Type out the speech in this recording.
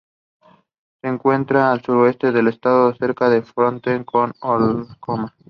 Se encuentra al sureste del estado, cerca de la frontera con Oklahoma.